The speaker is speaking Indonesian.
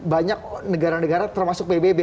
banyak negara negara termasuk pbb